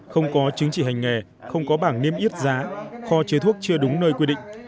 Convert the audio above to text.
không có chứng chỉ hành nghề không có bảng niêm yết giá kho chế thuốc chưa đúng nơi quy định